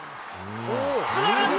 つながって。